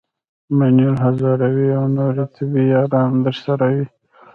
منیر هزاروی او نورې طبې یاران درسره وي.